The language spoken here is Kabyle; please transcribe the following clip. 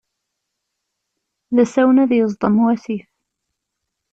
D asawen ad yeẓḍem wasif.